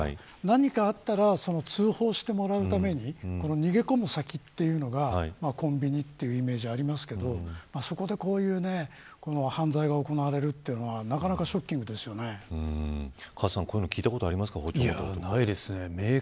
何かあったら通報してもらうために逃げ込む先というのがコンビニというイメージがありますけどそこでこういう犯罪が行われるというのはカズさん、こういうことないですね。